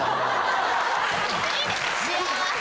幸せ。